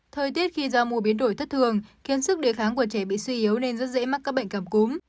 thời tiết khi giao mùa biến đổi thất thường khiến sức đề kháng của trẻ bị suy yếu nên rất dễ mắc các bệnh cầm cúm